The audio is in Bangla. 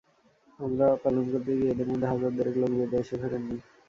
ওমরাহ পালন করতে গিয়ে এঁদের মধ্যে হাজার দেড়েক লোক দেশে ফেরেননি।